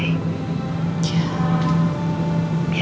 ya bu sarah